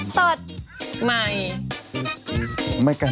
สวัสดีใหม่